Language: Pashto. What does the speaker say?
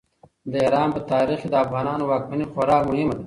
د ایران په تاریخ کې د افغانانو واکمني خورا مهمه ده.